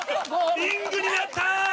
リングに入った！